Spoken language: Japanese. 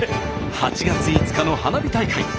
８月５日の花火大会。